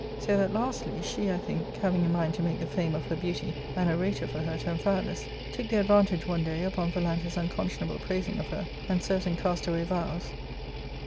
So that, lastly, she, I think, having in mind to make the fame of her beauty an orator for her to Amphia lus, took the advantage one day, upon Phalantus' uncon scionable praising of her, and certain castaway vows, how ARCADIA.